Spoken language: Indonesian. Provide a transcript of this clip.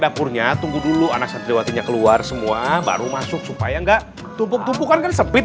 dapurnya tunggu dulu anak santriwatinya keluar semua baru masuk supaya enggak tumpuk tumpukan kan sempit